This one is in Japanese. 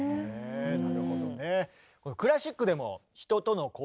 なるほどね。